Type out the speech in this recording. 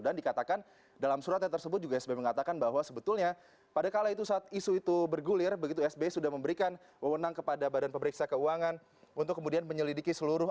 dan dikatakan dalam suratnya tersebut juga sbi mengatakan bahwa sebetulnya pada kala itu saat isu itu bergulir begitu sbi sudah memberikan wewenang kepada badan pemeriksa keuangan untuk kemudian menyelidiki seluruh